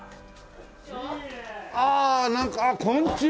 ああなんかこんにちは。